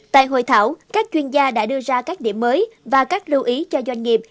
tại hội thảo các chuyên gia đã đưa ra các điểm mới và các lưu ý cho doanh nghiệp